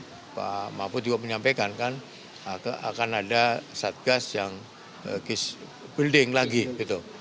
dan apa tadi pak mahfud juga menyampaikan kan akan ada satgas yang case building lagi gitu